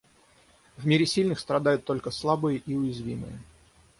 В мире сильных страдают только слабые и уязвимые.